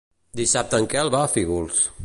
Dissabte en Quel va a Fígols.